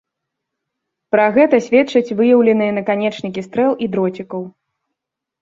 Пра гэта сведчаць выяўленыя наканечнікі стрэл і дроцікаў.